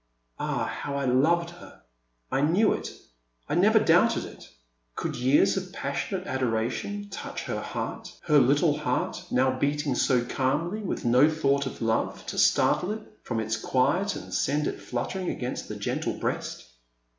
Ah, how I loved her ! I knew it — I never doubted it. Could years of passionate adoration touch her heart — ^her little heart, now beating so calmly with no thought of love to star tle it from its quiet and send it fluttering against the gentle breast